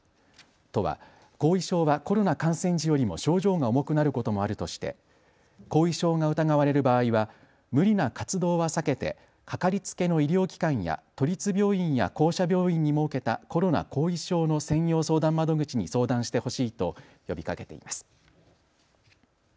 都は後遺症はコロナ感染時よりも症状が重くなることもあるとして後遺症が疑われる場合は無理な活動は避けてかかりつけの医療機関や都立病院や公社病院に設けたコロナ後遺症の専用相談窓口に相談してほしいと呼びかけています。